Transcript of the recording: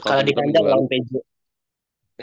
kalah di kandang lawan pj